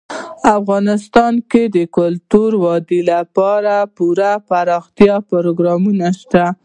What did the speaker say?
افغانستان کې د کلتور د ودې لپاره پوره دپرمختیا پروګرامونه شته دي.